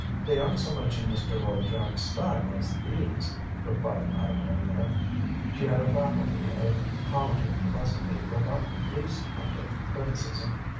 "They aren't so much in Mr. Lloyd Jones' style as these," replied Madame Reynier. She had a faculty of commenting pleasantly without the least hint of criticism.